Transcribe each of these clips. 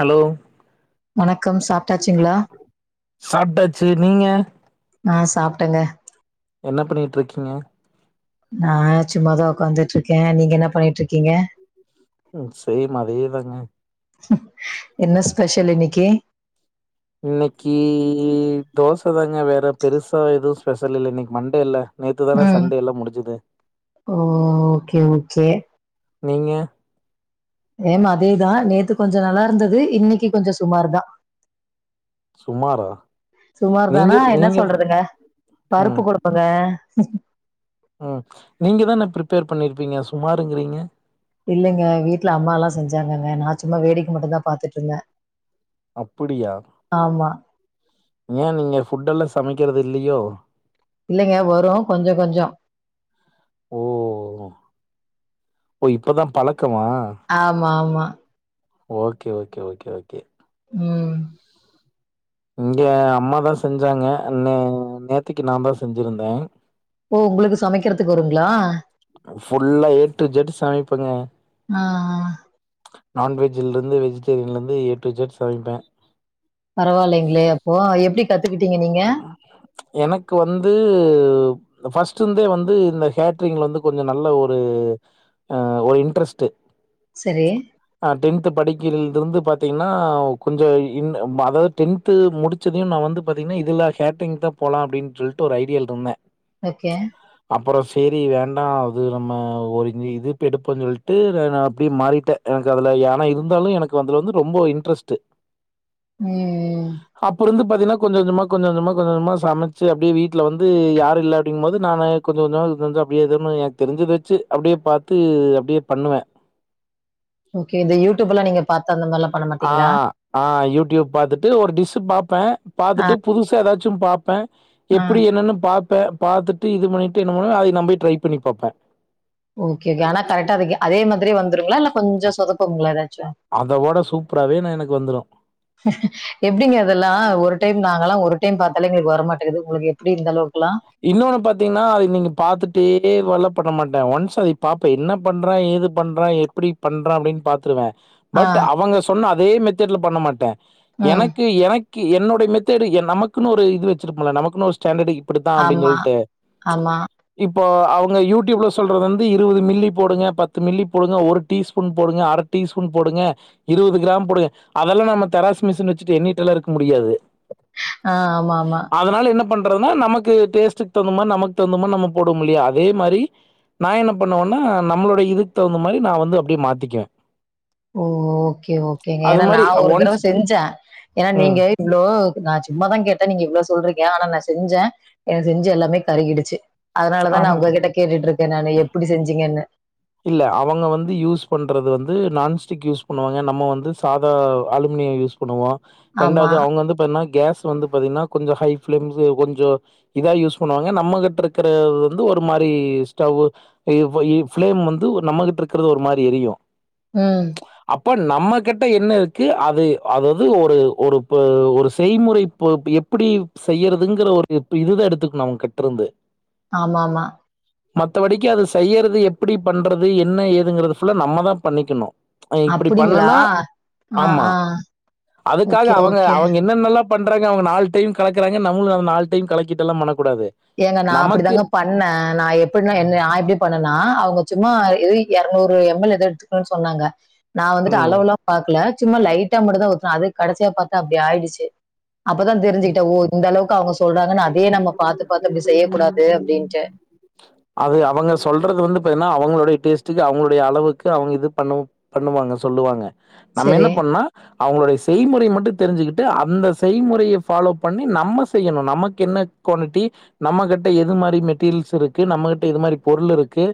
Hello வணக்கம் சா சாப்டாச்சு நீங்க? சாப்டேங்க என்ன பண்ணிட்டு இருக்கீங்க? நா சும்மாதா உக்காந்துட்டு இருக்கே. நீங்க என்ன பண்ணிட்டு இருக்கீங்க? உம் செய்மா அதேதானே என்ன ஸ்பெஷல் இன்னைக்கு? இன்னக்கி தோச தாங்க வேற பெருசா எதுவு ஸ்பெஷல் இல்ல இன்னைக்கு மண்டேல்ல. நேத்துதானே ம். சண்டே எல்லாம் முடிஞ்சது சேரி நீங்க செம் அதேதா நேத்து கொஞ்சோ நல்லா இருந்தது இன்னைக்கு கொஞ்சோ சுமார் தான் சுமாரா சுமார் நீங்க தானா என்ன நீங்க சொல்றதுங்க பருப்பு கொடுப்பங்க [unintelligible] உம் நீங்க தான ப்ரிப்பேர் பண்ணிருப்பீங்க சு சுமாருங்கிறீங்க இல்லைங்க வீட்டுல அம்மா லா செஞ்சாங்கங்க நா சும்மா வேடிக்க மட்டுந்தா பாத்துட்டு இருந்தே அப்படியா ஏன் நீங்க ஃபுட்டெல்லாம் சமைக்கிறது இல்லையோ இல்லைங்க வரும் கொஞ்சோ கொஞ்சோ ஓ ஓ இப்போதான் பழக் ஆமா ஆமா ஓகே ஓகே ஓகே ஓகே உம் இங்க அம்மாதா செஞ்சாங்க நே நேத்தைக்கு நான் தான் செஞ்சிருந்தேன் ஓ உங்களுக்கு சமைக்கிறதுக்கு வருங்களா ஃபுல்லா ஏ டூ ஜட் சமைப்பங்க ஆ, நான்வெஜ்லருந்து வெஜிடேரியன்லருந்து ஏ டூ ஜட் சமைப்ப பரவாயில்லைங்களே அப்போ எப்படி க எனக்கு வந்து ஃபஸ்ட் வந்து இந்த கேட்ட்ரிங்ல வந்து கொஞ்சம் நல்ல ஒரு ஒரு இன்ட்ரெஸ்ட் சரி. ஆஹ் டென்த் படிக்க இருந்துருந்து பாத்திங்கன்னா கொஞ்ச இன் அதாவது டெண்த் முடிச்சதையும் நான் வந்து இதுல கேட்டரிங் தா போலாம் அப்படின் சொல்லிட்டு ஒரு ஐடியால் இருந்தேன் ஓகே சரி வேண்டாம் அது நம்ம ஒரு இதுப் எடுப்போம் சொல்லிட்டு நான் அப்படியே மாறிட்டேன் எனக்கு அதுல யானா இருந்தாலும் எனக்கு அதுல வந்து ரொம்ப இன்ட்ரஸ்ட்டு ம். அப்பற இருந்து பப்பதின கொஞ்ச கொஞ்சமா கொஞ்சம் கொஞ்சமா கொஞ்ச கொஞ்சமா சமைச்சு அப்பிடியே வீட்ல வந்து யாரு இல்லாட்டிம் போது நான் கொஞ்ச கொஞ்ச கொஞ்சம் அப்பிடியே ஏது எனக்கு தெரிஞ்சுது அப்பிடியே பாத்து அப்பிடியே பண்ணுவேன் ஓகே இந்த யூடியூப்லா நீங்க பா ஆ ஆ யூடியூப் பாத்துட்டு ஒரு டிஷ் பாப்பேன் ஆ, பாத்துட்டு புதுசா ஏதாச்சு ட்டும் பாப்பேன் ஆ. எப்பிடி என்னன்னு பா இப்ப பாத்துட்டு இது பண்ணிட்டு என்ன பண்ணுவ அதை நம்பே ட்ரை பண்ணி பாப்போம் ஓகேங்களா ஆனா கரெக்டா அரதுக்கு அதே மாரி அதே வந்துருங்களா இல்லப் கொஞ்சம் சொதப்புங்களா எதாச்சும் அதோட சூப்பராவே நான் எனக்கு வந்துரும். எப்பிடிங்க அதெல்லாம் ஒரு டென் வாங்கல ஒரு டைம் பாத்தாலே எங்களுக்கு வரமாட்டேக்குது உங்களுக்கு எப்பிடி இந்த அளவுக்கு இன்னொன்னு பாத்தீகங்னா அதை நீங்க பாத்துட்டே [unintelligible] பண்ண மாட்டேன் ஒன்ஸ் அது பாப்ப என்னா பண்றா ஏது பண்றா எப்டி பண்றா அப்டின் பாத்ருவ ஆ, பட் அவங்க சொன்ன அத் தே மெத்தட்ல பண்ண மாட்ட ம். எனக்கு எனக் கு என்னோடைய மெத்தேடு எ நமக்குனு ஒரு இது வெச்சிருப்போல்ல நமக்குனு ஒரு ஸ்டாண்டடு இதா அப்டின் ஆமா, சொல்ட்டு ஆமா. இப்போ அவுங்க யூடியூப்ல சொல்றது வந்து இருவது மில்லி போடுங்க பத்து மில்லி போடுங்க ஒரு டீஸ்பூன் போடுங்க அர டீஸ்பூன் போடுங்க இருவது க்ராம் போடுங்க அதெல்லா நம்ம தெராசு மிஷின் வெச்சிட்டு எண்ணிட்டெல்லா இருக்க முடியாது ஆ ஆமா ஆமா பண்றத்னா நமக் கு டேஸ்ட்டுக் தௌந்த மார் நமக்கு தௌந்த மாரி நம்ம போடுவோமில்லயா அதே மாரி நா என்ன பண்ணுவன்னா நம்மளோட இதுக் தௌந்த மாரி நா வந்து அப்பிடியே மாத்திக்கிவே ஓ ஓகே ஓகேங்க ஏன்னா நான் ஒரு தடவ ஒன்ஸ் செஞ்சன் ஏன்னா ம் நீங்க இவ்ளோ நான் சும்மாதான் கேட்டேன் நீங்க இவ்ளோ சொல்றிங்க ஆனா நான் செ செஞ்சன் செஞ்ச எல்லாமே கருகிடுச்சு. அதனாலதான் ஆஹ நான் உங்ககிட்ட கேட்டுட்டு இருக்கேன் நான் எப்படி செஞ்சீங்கன்னு. இல்ல அவங்க வந்து யூஸ் பண்றது வந்து நான்ஸ்டிக் யூஸ் பண்ணுவாங்க நம்ம வந்து சாதா அலுமினியம் யூஸ் பண்ணுவோம். ஆமா. ரெண்டாவது அவுங்க வந்து பாத்தீங்கன்னா கேஸ் வந்து பாத்தீங்கன்னா கொஞ்சம் ஹை ஃபிலிம்ஸ் கொஞ்சோ இதா யூஸ் பண்ணுவாங்க நம்மகிட்ட இருக்கற ஒரு மாரி ஸ்டவ்வு [unintelligible] ஃபிளேம் வந்து நம்மகிட்ட இருக்கிறது ஒரு மாரி எரியும். உம் இப்ப நம்ம கிட்ட என்ன இருக்கு அது அதாவது ஒரு ஒரு ஒரு செய்முறை எப்-எப்டி செய்யறதுங்கிற ஒரு இது எடுத்துக்கணும் அவுங்ட்ருந்து. ஆமா ஆமா மத்தபடிக்கும் அது செயிறது எப் - எப்டி பண்றது என்ன ஏதுங்கறிது ஃபுல்லா நம்ம தான் பண்ணிக்கணும். இப்பிடி அப்படிங்களா? பண்ணலாம் ஆ, ஆமா ஆ. அதுக்காக ஓகே, அவங்க ஓகே. அவங்க என்னன்னல்லாம் பண்றாங்க அவங்க நாலு டைம் கலக்குறாங்க நம்மளும் நாலு டைம் கலக்கட்டெல்லம் பண்ணக் ஏங்க நான் அப்டி தாங்க பண்ணேன், நான் எப்பிடினா ம். நான் எப்டி பண்னேன்னா ஒ சும்மா ஏது எர்நூறு எம் எல் எதோ எடுத்துக்கணும்னு சொன்னாங்க. நான் வந்துட்டு ம். அளவுெல்லாம் பாக்கல சும்மா லைட்டா மட்டும் தான் ஊத்தினன் அது கடைசியாபாத்தா அப்டி ஆயிடிச்சி. அப்பதான் தெரிஞ்சுகிட்டேன் ஓ இந்த அளவுக்கு அவுங்க சொல்றாங்கா அதே நம்ம பாத்து அது அவங்க சொல்றது வந்து என்ன நா அவங்களுடைய டேஸ்ட்டுக்கு அவங்களுடைய அளவுக்கு அவங்க இது பண்ண பண்ணுவாங்க சொல்லுவாங்க. நம்ம சரி. என்ன பண்ணா அவங்களுடைய செய்முறை மட்டு தெரிஞ்சிக்கிட்டு அந்த செய்முறைய ஃபாலோ பண்ணி நம்ம செய்யணு நமக்கு என்ன கொனுட்டி நம்ம கிட்ட எது மாரி மெட்டீரியல்ஸ் இருக்கு நம்ம கிட்ட எது மாரி பொருள் இருக்கு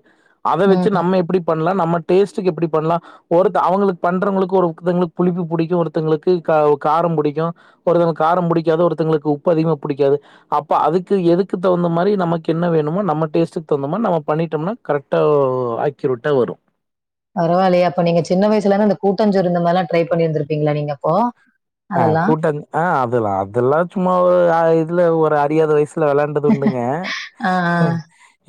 அத வெச்சு ம். நம்ம எப்டி பண்லா நம்ம டேஸ்ட்டுக்கு எப்டி பண்ணலா ஒருத்த அவுங்களுக்கு பண்றவங்களுக்கு ஒருத்தங்களுக்கு புளிப்பு பிடிக்கு ஒருத்தங்களுக்கு காரோ காரோ புடிக்கு ஒருத்தங்களுக்கு காரோ புடிக். ஏதோ ஒருத்தங்களுக்கு உப்பு அதிகமா புடிக்காது அப்ப அதுக்கு எதுக்கு தகுந்த மாரி நமக்கு என்ன வேணுமோ நம்ம டேஸ்டுக்கு தகுந்த மாரி நம்ம பண்ணிடம்னா கரெட்டா ஒ அக்யூரெட்டா வரு பரவாலியே அப்போ நீங்க சின்ன வயசுலனா இந்த கூட்டஞ்சோறு இந்த மாரிலா ட்ரை பண்ணிருந்திருப்பீங்களா நீங்க அப்போ. ஆ அதெல்லாம். கூட்டந்த ஆ தெர்லா அதெல்லா சும்மா இதுல ஒரு அறியாத வயஸ் இல்ல விளாண்டது உண்டுங்க ஆ, ஆ. இப்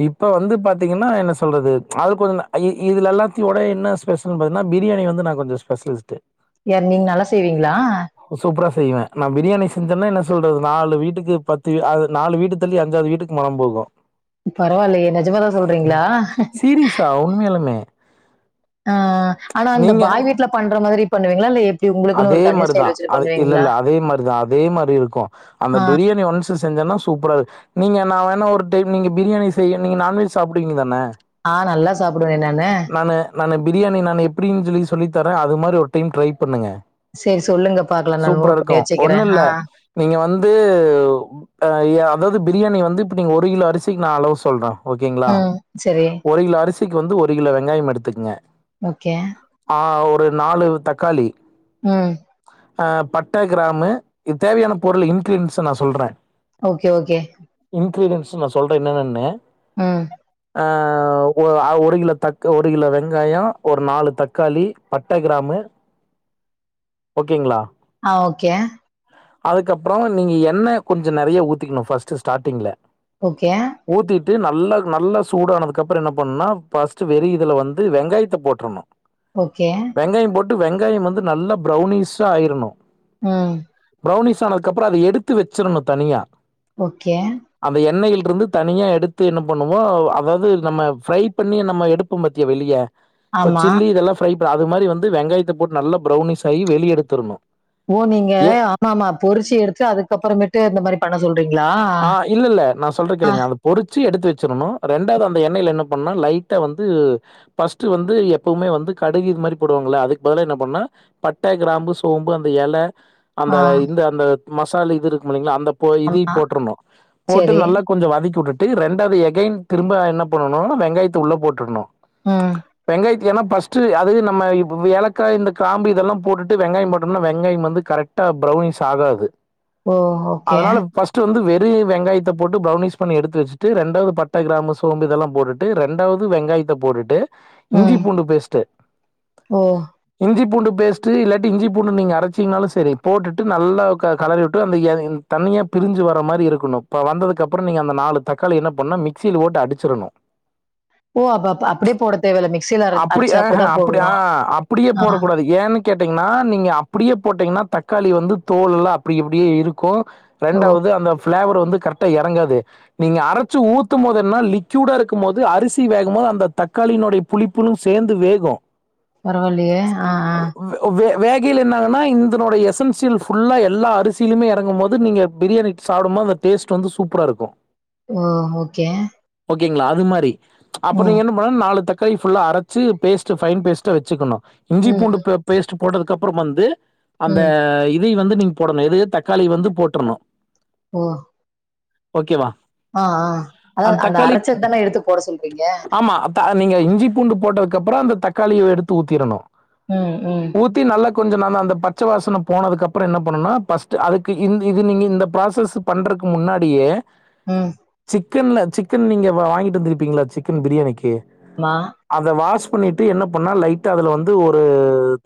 இப்போ வந்து பாத்தீங்கன்னா என்ன சொல்றது ப்ச் அது கொஞ்ச தா அய்யி இதுல எல்லாத்தி ஒட என்ன ஸ்பெஷல்ன்னு பாத்தீன்னா பிரியாணி வந்து நா கொஞ்சோ ஸ்பெஷலிஸ்டு. யார் நீங்க நல்லா செய்வீங் லா சூப்பரா செய்வே நா பிரியாணி செஞ்சேன்னா என்ன சொல்றது நாலு வீட்டுக்கு பத்து அது நாலு வீட்டு தள்ளி அஞ்சாவது வீட்டுக்கு மனம் போகும். பரவாயில்லயே நெஜமாதா சொல்றீங்களா? சீரியஸா உண்மையாலுமே ஆ ஆனா அந்த நீங்க பாய் வீட்ல பண்ற மாதிரி பண்ணுவீங்களா இல்ல எப் அதே மாரிதா அது இல்ல இல்ல அதே மாரி தா அதே மாரி இருக்கு அந்த ஆ, பிரியாணி ஒன்ஸ் செஞ்சன்னா சூப்பரா நீங்க நா வேணா ஒரு டைம் நீங்க பிரியாணி செய்ய நீங்க நான்வெஜ் சாப்டுவீங்க தான? ஆ நல்லா சாப்பிடுவே நானு. நானு பிரியாணி நானு எப்படின் சொல்லி சொல்லித்தரே அது மாரி ஒரு டைம் ட்ரை பண்ணுங்க. செரி சொல்லுங்க பாக்கலா நா சூப்பரா நோட் பண்ணி வச்சுக்கிறே ஆஹ். து ஆ ய அதாது பிரியாணி வந்து இப்ப நீங்க ஒரு கிலோ அரிசிக்கு நா அளவு சொல்றே. ஓகேங்களா ம். சரி. ஒரு கிலோ அரிசி க்கு வந்து ஒரு கிலோ வெங்காயம் எடுத்துக்குங்க. ஓகே. ஆ ஒரு நாலு தக்காளி. உஹம். அ பட்ட கிராமு இது தேவையான பொருள் இன்கிரீன்ஸ் நா சொல்றே. Okay okay. இன்கிரிடியன்ஸ் நா சொல்றே என்னன்னு. உம் ஆ ஒ அ ஒரு கிலோ தக் ஒரு கிலோ வெங்காயோ ஒரு நாலு தக்காளி பட்ட கிராமு. ஓகேங்ளா? ஆஹ் ஓகே. அதுக்கப்புற நீங்க எண்ணெ கொஞ்சோ நெறைய ஊத்திக்கணு ஃபஸ்ட் ஸ்டார்டிங்ல. ஓகே. தீ நல்லாக் நல்லா சூடானதுக்கப்ற என்ன பண்னா ஃபஸ்ட்டு வெறு இதுல வந்து வெங்காயத்த போட்ரணு ஓகே டு வெங்காயம் வந்து நல்லாப் ப்ரௌனீஷா ஆயிரனு உம் ப்ரௌனிஷ் ஆனதுக்கப்ற அத எடுத்து வெச்சிரணு தனியா ஓகே டுருந்து தனியா எடுத்து என்ன பண்ணுவோம் அதாவது நம்ம ஃரை பண்ணி நம்ம எடுப்போ பாத்தியா வெளிய இப்பச் ஆமா. சில்லி இதெல்லா ஃப்ரைப் ப்ற அது மாரி வந்து வெங்காயத்த போட்டு நல்லா ப்ரௌனிஷ் கை வெளிய எடுத்துரணு ஓ நீங்க ஏ ஆமா ஆமா பொரிச்சு எடுத்து அதுக்கப்பறமேட்டு இந்த மாரி பண்ண சொல்றீங் ஆ இல்ல இல்ல நான் சொல்ற கேளுங்க அந்த பொறிச்சு எடுத்து வச் ச்சுரனு ரெண்டாவ்து அந்த எண்ணெய்ல என்ன பண்னா லைட்டா வந்து ஃபஸ்ட்டு வந்து எப்போவ்மே வந்து கடுகு இது மாரி போடுவாங்கல அதுக்கு பதிலா என்ன பண்னா பட்ட கிராம்பு சோம்பு அந்த எல அந்த ஆ. இந்த அந்த மசால் இது இருக்குமில்லைங்ளா அந்தப் போ இதி ஆமா. போட்ருணு போட்டு சரி. நல்லா கொஞ்ச வதக்கி விட்டுட் டு ரெண்டாவது எகைன் திரும்ப என்ன பண்ணனும் வெங்காயத்த உள்ள போட்ருணும் ம் ஏன்னா பஃர்ஸ்ட்டு அதுவே நம்ம இப்ப ஏலக்காய் இந்த கிராம்பு இதெல்லாம் போட்டுட்டு வெங்காயம் போட்டோம்னா வெங்காயம் வந்து கரெக்டா ப்ரௌனிஷ் ஆகாது ஓ ஓகே அதனால ஃபர்ஸ்ட்டு வந்து வெறு வெங்காயத்த போட்டு பிரவுனிஷ் பண்ணி எடுத்து வச்சுட்டு ரெண்டாவது பட்ட கிராமு சோம்பு இதெல்லாம் போட்டுட்டு ரெண்டாவது வெங்காயத்த போட்டுட்டு இஞ்சி ம். பூண்டு பேஸ்ட்டு ஓ இஞ்சி பூண்டு பேஸ்ட்டு இல்லாட்டி இஞ்சி பூண்டு நீங்க அரைச்சிங்னாலும் சரி போட்டுட்டு நல்லா க கலறிவிட்டு அந்த ய என் தண்ணிய பிரிஞ்சு வர மாரி இருக்கணும். ப வந்ததுக்கு அப்புறம் நீங்க அந்த நாலு தக்காளி என்ன பண்ணா மிக்சியில போட்டு அடிச்சிடணும் ஓ அப்ப-அப்-அப்படியே போட தேவேல. மிக்சியில அ அப்படி அரைச்சு ஆஹ அப்படித்தான் அப்படி ஆ போடணும் அப்படியே ஆஹ். போடக்கூடாது. ஏன்னு கேட்டீங்கன்னா நீங்க அப்படியே போட்டீங்கன்னா தக்காளி வந்து தோல்லாம் அப்படி இப்டியே இருக்கும் ஓ! ரெண்டாவது அந்த ஃபிளேவர் வந்து கரெக்டா எறங்காது. நீங்க அரச்சு ஊத்தும் போது என்னா லிக்யூடா இருக்கும்போது அரிசி வேகுமோது அந்த தக்காளினுடைய புளிப்பும் சேர்ந்து வேகும் பரவால்லயே ஆ ஆ வேகில என்னாங்கன்னா இந்தனோடைய எசென்சியல் ஃபுல்லா எல்லா அரிசியிலுமே எறங்கும் போது நீங்க பிரியாணி சாப்டும்மோது அந்த டேஸ்ட் வந்து சூப்பரா இருக்கும் ஓ ஓகே ஓகேங்களா அது மாரி அப்ப ம். நீங்க என்ன பண்ண நாலு தக் கை ஃபுல்லா அரச்சி பேஸ்ட்டு ஃபைன் பேஸ்ட்டா வெச்சுக்குணு இஞ்சி ம், பூண்டு ப பேஸ்ட் போட்டதுக்கு அப் அப்பறம் வந்து அந்த ம். இதயு வந்து நீங்க போடணு எது தக்காளிய வந்து போட்றணு ஓ ஓகேவா ஆ ஆ அதா அந்த அரச்சத் தான எடுத்து போட சொல்றீங்க ஆ நீங்க இஞ்சி பூண்டு போட்டதுக்கு அப்பறம் அந்த தக்காளிய எடுத்து ஊத்திரணு ம் ம் ஊத்தி நல்லா கொஞ்சோ நல்லா அந்த பச்ச வாசன போனதுக்கு அப்பறம் என்ன பண்ணுனா ஃபஸ்ட் அதுக் இது நீங்க இந்த ப்ராசஸ் பண்றக் முன்னாடியே ம் க்கன்ல சிக்கன் நீங்க வ வாங்கிட்டு வந்துருப்பீங்கல்ல சிக்கன் பிரியாணிக்கி ஆமா. அத வாச குக் பண்ணிட்டு என்ன பண்ணால் லைட்டா அதில் வந்து ஒரு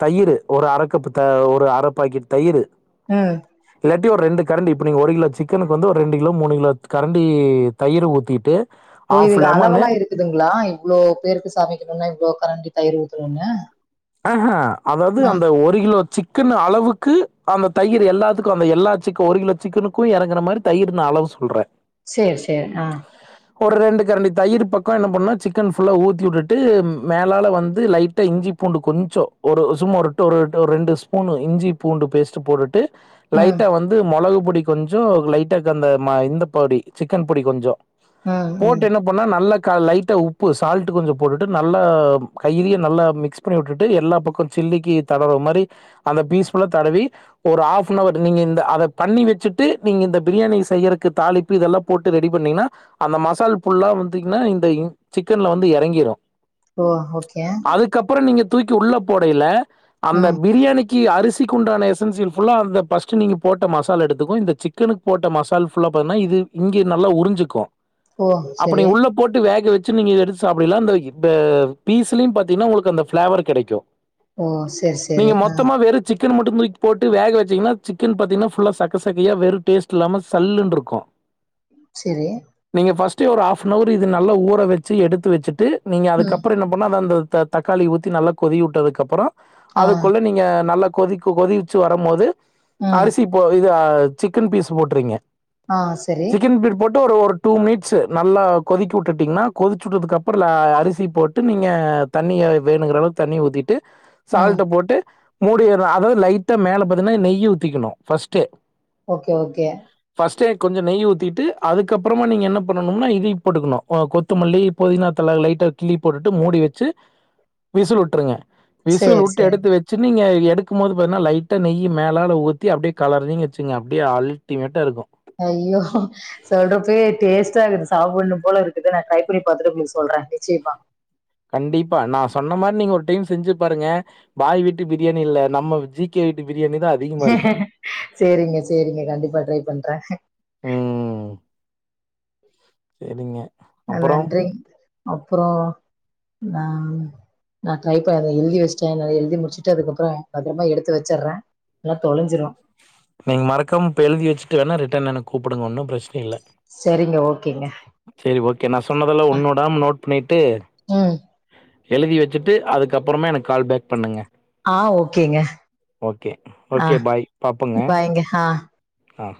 தயிரு ஒரு அரைக்கப்பு த ஒரு அரை பாக்கெட் தயிரு ஆஹ அப்டியே ஒரு ரெண்டு கரண்டி அப்டி நீங்க ஒரு கிலோ சிக்கனுக்கு வந்து ஒரு ரெண்டு கிலோ மூணு கிலோ கரண்டி தயிரு ஊத்திட்டு போய் ஆஃப் இதுக்கு லெமனு அளவலா இருக்குதுங்களா இவ்ளோ பேருக்கு சமைக்கணுனா இவ்ளோ கரண்டி தயிரு ஊத்தனுன்னே அஹ அதாவது அந்த ஒரு கிலோ சிக் சிக்கன் அளவுக்கு அந்த தயிர் எல்லாத்துக்கும் அமையும் எல்லா சிக்கனும் ஒரு கிலோ சிக்கனுக்கும் இறங்குற மாதிரி நான் அளவு சொல்றேன் செரி செரி ஆ‌ ஒரு ரெண்டு கரண்டி தயிரு பக்கம் என்ன பண்ணுனா சிக்கன் ஃபுல்லா ஊத்தி விட்டுட்டு மேலால வந்து லைட்டா இஞ்சிப் பூண்டு கொஞ்சம் ஒரு சும்மா ஒரு ஒரு ரெண்டு ஸ்பூன் இஞ்சி பூண்டு பேஸ்ட்ட போட்டுட்டு ம், லைட்டா வந்து மொளகு மிளகு பொடி கொஞ்சம் லைட்டாக்கு அந்த இந்த பொடி சிக்கன் பொடி கொஞ்சம் ம், ம். போட்டு என்ன பண்ணா நல்லா அக்கா லைட்டா உப்பு சால்ட் கொஞ்சம் போட்டுட்டு நல்லா கையிலே நல்லா மிக்ஸ் மிக்ஸ் பண்ணி விட்டுட்டு எல்லா பக்கம் சில்லிக்கு தடவுற மாரி அந்த பீஸ் ஃபுல்லா தடவி ஒரு ஹாஃப்னவர் நீங்க இந்த அத பண்ணி வச்சுட்டு நீங்க இந்த பிரியாணி செய்யறக்கு தாளிப்பு இதெல்லாம் போட்டு ரெடி பண்ணீங்கன்னா அந்த மசால் ஃபுல்லா வந்தீங்கன்னா இந்த சிக்கன்ல வந்து இறங்கிடும் ஓ ஓகே இப்ப நீங்க தூக்கி உள்ள போடையில அந்த ம். பிரியாணிக் பிரியாணிக்கி அரிசிக்குண்டான எசன்சியல் ஃபுல்லா அந்த ஃபஸ்ட்டு நீங்கள் போட்ட மசாலா எடுத்துக்கும் இந்த சிக்கனுக்கு போட்ட மசால் ஃபுல்லா பான்னா இங்கே நல்லா உறிஞ்சிக்கும் ஓ! அப்ப நீ சரி. உள்ள போட்டு வேக் இதுல வெச்சு நீங்க எடுத்து சாப்படயீல அந்த இ ப பீஸ்லயு பாத்தின்னா உங்களுக்கு அந்த ஃப்ளாவர் கெடைக்கு ஓ! சரி, நீங்க சரி. ஆ. மொத்தமா வெறு சிக் க்கன மட்டு தூக்கி போட்டு வேக வச்சீங்கன்னா சிக்கன் பாத்தின்னா ஃபுல்லா சக்க சக்கையா வெறு டேஸ்ட் இல்லாம சல்லுனுருக்கு. சேரி ட்டு ஒரு ஹாஃப்னவர் இது நல்லா ஊற வச்சி எடுத்து வச்சிட்டு நீங்க ம். அதுக்கப்பறோ என்ன பண்ணு அத அந்த த தக் தக்காளி ஊத்தி நல்லா கொதிவுட்டதுக் அப்பறோ ஆ. அதுக்குள்ள நீங்க நல்லக் கொதிக்க கொதி வச்சு வரம்போது ம். அரிசி போய் ய சிக்கன் பீஸ் போட்டிறிங்கிக ஆஹ் சரி ட்டு ஒரு ஒரு டூ மினிட்ஸு நல்லா கொதிக்க விட்டுட்டீங்கனா கொதிச்ச விட்டதுக்கு அப்ற அரிசி போட்டு நீங்க தண்ணிய வேணுங்கற அளவுக்கு தண்ணி ஊத்திட்டு ம். சால்ட்ட போட்டு மூடி விடணு அதாவது லைட்டா மேல பாத்தீங்கான நெய் ஊத்திக்கணு ஃபர்ஸ்ட்டு ஓகே ஓகே ஃபர்ஸ்ட்டே கொஞ்ச நெய் ஊத்திட்டு அதுக்கப்பறமா நீங்க என்ன பண்ணனும்னா இதய போட்டுக்கணு ஆ கொத்தமல்லி, பொதினா தழ லைட்டா கிள்ளி போட்டுட்டு மூடி வச்சு வீசில் விட்டுருங்க விசுல் சரி, விட்டு சரி. எடுத்து வச்சு நீங்க எடுக்கும் போது பாத்தீன லைட்டாக நெய் மேலல ஊற்றி அப்படியே கலரிங்கன வச்சுங்க அப்படியே அல்டிமேட்டா இருக்கும் ஐயோ சொல்றப்பயே டேஸ்ட்டா இருக்குது சாப்பிடணு போல இருக்குது நான் ட்ரை பண்ணி பாத்துட்டு உங்களுக்கு சொல்றே நிச்சயமா கண்டிப்பா நான் சொன்ன மாதிரி நீங்க ஒரு டைம் செஞ்சு பாருங்க பாய் வீட்டு பிரியாணி இல்ல நம்ம ஜிகே வீட்டு பிரியாணி தான் அதிகமா ஹஹ இருக்கும். சரிங்க சரிங்க கண்டிப்பா ட்ரை பண்றேன் செரிங்க ஆ நன்றி அப்றோ நான் நான் ட்ரை [unintelligible] எழுதி வச்சுட்டேன் நெறய எழுதி முடிச்சுட்டு அதுக்கப்புறோ பத்தரமா எடுத்து வச்சர்றே இல்லனா தொலஞ்சுரு நீங்க மறக்காம இப்ப எழுதி வச்சுட்டு வேண்ணா ரிட்டன் என்ன கூப்புடுங்க ஒன்னும் பிரச்சனை இல்ல சரிங்க, ஓகேங்க. செரி ஓகே நா சொன்னதெல்லா அ ஒண்ணு விடாம நோட் பண்ணிட்டு ம். எழுதி வச்சுட்டு அதுக்கப்பறமா எனக்கு கால் பேக் பண்ணுங்க ஆஹ் ஓகேங்க ஓகே. ஆஹ் பாய்ங்க ஆஹ் ஹ